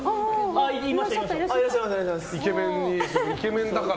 イケメンだから。